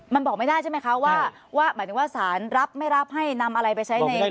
มันบอกไม่ได้ใช่ไหมคะว่าหมายถึงว่าสารรับไม่รับให้นำอะไรไปใช้ใน